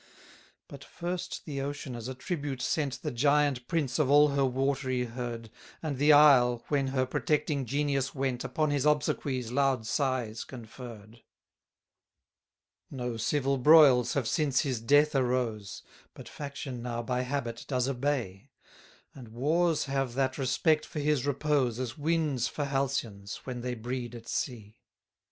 35 But first the ocean as a tribute sent The giant prince of all her watery herd; And the Isle, when her protecting genius went, Upon his obsequies loud sighs conferr'd. 36 No civil broils have since his death arose, But faction now by habit does obey; And wars have that respect for his repose, As winds for halcyons, when they breed at sea.